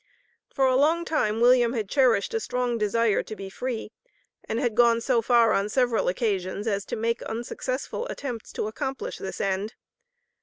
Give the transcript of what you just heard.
For a long time William had cherished a strong desire to be free, and had gone so far on several occasions as to make unsuccessful attempts to accomplish this end.